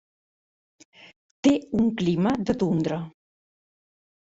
Té un clima de tundra.